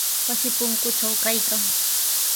Wasi punkutraw kaykan.